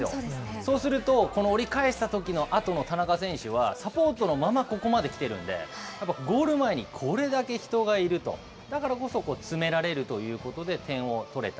そうすると、この折り返したときのあとの田中選手は、サポートのままここまできてるんで、やっぱゴール前にこれだけ人がいると、だからこそ、詰められるということで点を取れた。